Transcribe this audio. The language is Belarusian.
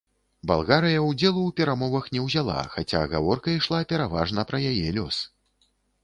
Балгарыя ўдзелу ў перамовах не ўзяла, хаця гаворка ішла пераважна пра яе лёс.